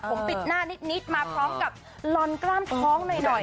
ผมปิดหน้านิดมาพร้อมกับลอนกล้ามท้องหน่อย